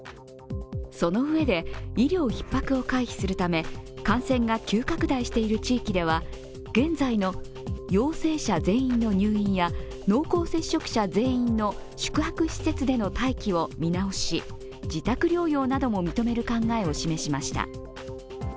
その上で、医療ひっ迫を回避するため感染が急拡大している地域では、現在の陽性者全員の入院や濃厚接触者全員の宿泊施設での待機を見直し自宅療養なども認める考えを示しました。